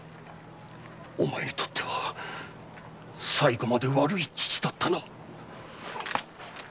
お前にとっては最後まで悪い父だったな。